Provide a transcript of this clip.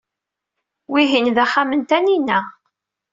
Wihin d axxam n Taninna.